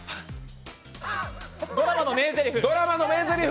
ドラマの名ぜりふ。